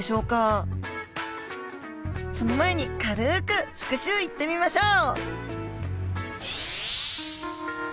その前に軽く復習いってみましょう！